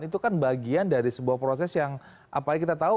itu kan bagian dari sebuah proses yang apalagi kita tahu